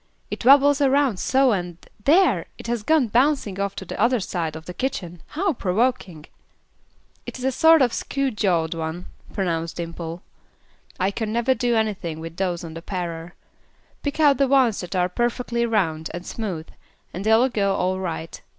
"It wabbles around so and there! it has gone bouncing off to the other side of the kitchen; how provoking!" "It is a sort of 'skew jawed' one," pronounced Dimple. "I can never do anything with those on the parer. Pick out the ones that are perfectly round and smooth, and they will go all right.